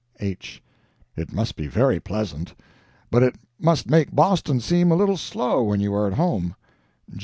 H. It must be very pleasant. But it must make Boston seem a little slow when you are at home.